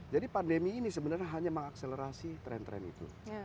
jadi pandemi ini sebenarnya hanya mengakselerasi tren tren itu